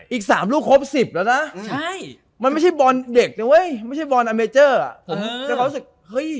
อีก๓ลูกครบ๑๐แล้วนะมันไม่ใช่บอลเด็กน่ะเห้ยไม่ใช่บอลอาเมเจอร์แต่เมื่อผมรู้สึกเฮ้ย